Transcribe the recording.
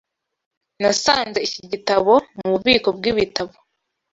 Nasanze iki gitabo mububiko bwibitabo.